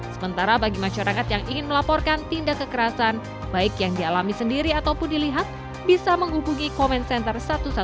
sementara bagi masyarakat yang ingin melaporkan tindak kekerasan baik yang dialami sendiri ataupun dilihat bisa menghubungi comment center satu ratus dua belas